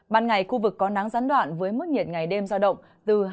ban ngày khu vực có nắng gián đoạn với mức nhiệt ngày đêm do động từ hai mươi ba đến ba mươi ba độ